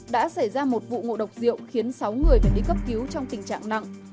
đã xảy ra một vụ ngộ độc rượu khiến sáu người phải đi cấp cứu trong tình trạng nặng